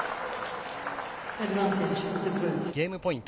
ゲームポイント。